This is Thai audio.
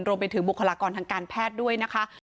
รวมเป็นถึงบุคลากรทางการแพทย์ด้วยนะคะ